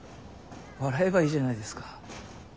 笑えばいいじゃないですか。